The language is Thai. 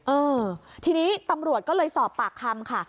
เออทีนี้ตำรวจก็เลยสอบปากคำค่ะ